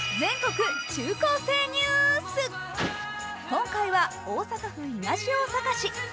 今回は大阪府東大阪市。